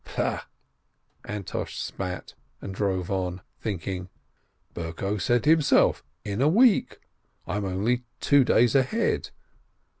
"Pfui," Antosh spat, and drove on, thinking, "Berko said himself, 'In a week.' I am only two days ahead."